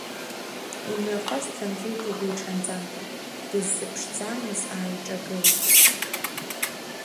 Имҩахәасҭа нҵәеит игәиҽанӡамкәа, дыззыԥшӡамыз ааиҿагылеит…